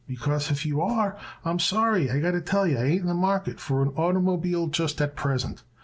Because if you are, I'm sorry I got to tell you I ain't in the market for an oitermobile just at present.